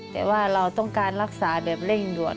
แต่ว่าเราต้องการรักษาแบบเร่งด่วน